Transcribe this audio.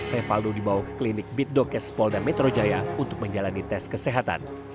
revaldo dibawa ke klinik bitdo kespol dan metro jaya untuk menjalani tes kesehatan